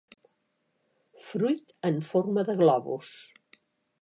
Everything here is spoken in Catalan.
Fruit en forma de globus.